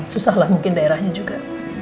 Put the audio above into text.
susah lah mungkin daerahnya juga